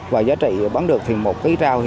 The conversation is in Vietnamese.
và giá trị bán được thì một cây rau